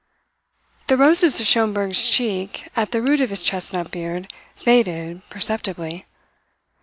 The roses of Schomberg's cheek at the root of his chestnut beard faded perceptibly.